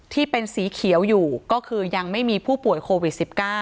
ที่เป็นสีเขียวอยู่ก็คือยังไม่มีผู้ป่วยโควิด๑๙